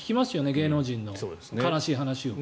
芸能人の悲しい話を。